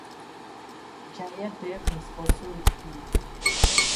Jaya Dev was also with him.